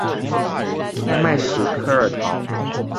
奈迈什科尔陶。